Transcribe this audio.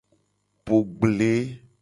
Po gble.